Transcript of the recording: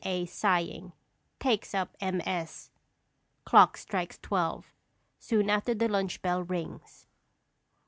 A., sighing, takes up MS. Clock strikes twelve; soon after the lunch bell rings.